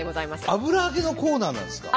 油揚げのコーナーなんですか？